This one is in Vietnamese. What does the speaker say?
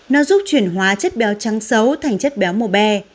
nó giúp chuyển hóa chất béo trắng xấu thành chất béo màu bè